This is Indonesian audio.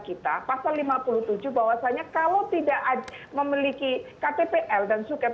kita pasal lima puluh tujuh bahwasanya kalau tidak memiliki ktpl dan suket